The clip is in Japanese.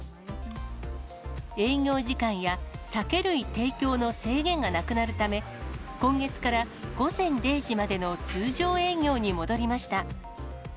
営業時間や酒類提供の制限がなくなるため、今月から午前０時までの通常営業に戻りました。